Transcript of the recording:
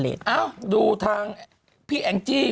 เอ้าดูทางพี่แองจี้